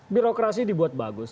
birokrasi dibuat bagus